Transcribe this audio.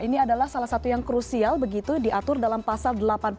ini adalah salah satu yang krusial begitu diatur dalam pasal delapan puluh delapan